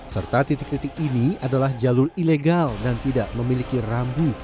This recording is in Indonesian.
serta titik titik ini adalah jalur ilegal dan tidak memiliki rambu